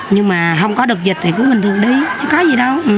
nhưng mà không có được dịch thì cứ mình thường đi chứ có gì đâu